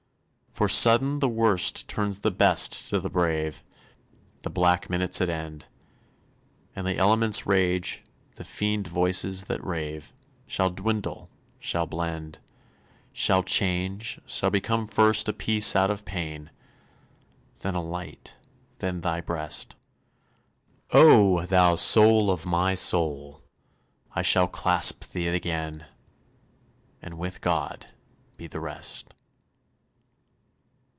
For sudden the worst turns the best to the brave, The black minute's at end, And the elements' rage, the fiend voices that rave, Shall dwindle, shall blend, Shall change, shall become first a peace out of pain, Then a light, then thy breast, O thou soul of my soul! I shall clasp thee again, And with God be the rest!